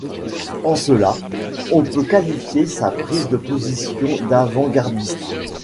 En cela, on peut qualifier sa prise de position d'avant-gardiste.